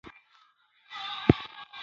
دکلي نوور مشران هم ورسره وو.